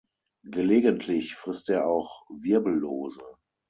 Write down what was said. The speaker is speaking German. Gelegentlich frisst er auch Wirbellose.